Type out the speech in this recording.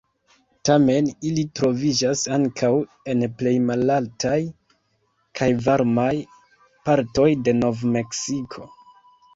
Tamen ili troviĝas ankaŭ en plej malaltaj kaj varmaj partoj de Nov-Meksiko.